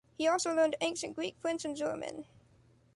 He also learned ancient Greek, French and German.